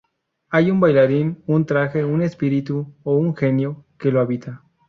Hay un bailarín, un traje, un "espíritu" o un "genio" que lo habita.